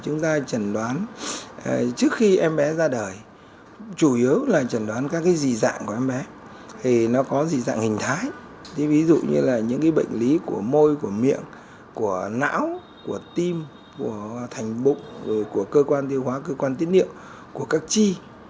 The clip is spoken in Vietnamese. nhiều phương pháp này đối với bệnh lý của môi miệng não tim thành bụng cơ quan tiêu hóa tín niệm các chi